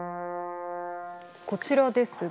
こちらですが。